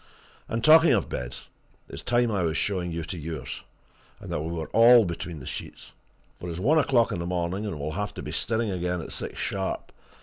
And talking of beds, it's time I was showing you to yours, and that we were all between the sheets, for it's one o'clock in the morning, and we'll have to be stirring again at six sharp.